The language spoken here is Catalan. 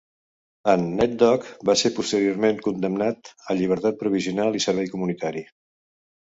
En Nate Dogg va ser posteriorment condemnat a llibertat provisional i servei comunitari.